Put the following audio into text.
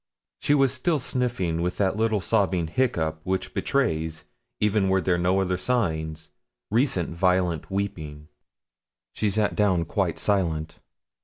She was still sniffing with that little sobbing hiccough, which betrays, even were there no other signs, recent violent weeping. She sat down quite silent.